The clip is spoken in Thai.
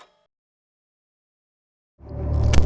ปรากฏ